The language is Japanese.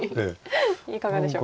いかがでしょう？